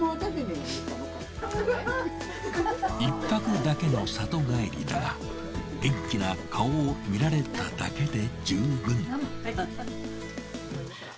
１泊だけの里帰りだが元気な顔を見られただけで十分。